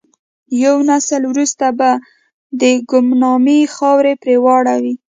یو نسل وروسته به د ګمنامۍ خاورې پر واوړي.